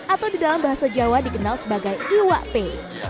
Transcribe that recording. atau di dalam bahasa jawa dikenal sebagai iwak pe